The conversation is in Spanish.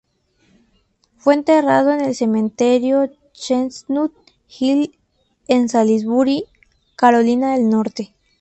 Fue enterrado en el Cementerio Chestnut Hill en Salisbury, Carolina del Norte.